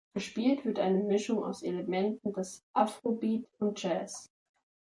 Gespielt wird eine Mischung aus Elementen des Afrobeat und Jazz.